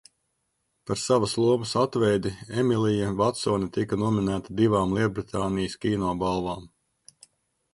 Par savas lomas atveidi Emilija Votsone tika nominēta divām Lielbritānijas kino balvām.